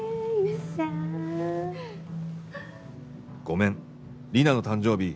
「ごめん、リナの誕生日